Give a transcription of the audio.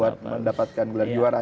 buat mendapatkan bulan juara ya